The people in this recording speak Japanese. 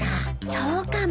そうかも。